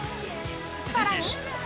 さらに◆